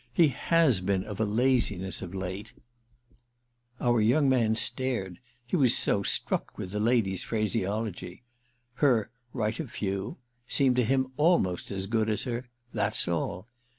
"He has been of a laziness of late—!" Our young man stared—he was so struck with the lady's phraseology. Her "Write a few" seemed to him almost as good as her "That's all."